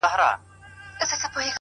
• یوه ورځ به یې بېغمه له غپا سو ,